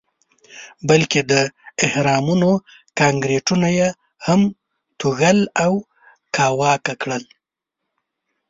بلکې د اهرامونو کانکریټونه یې هم توږل او کاواکه کړل.